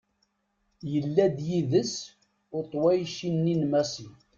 Yella d yid-s uṭwayci-nni n Massi.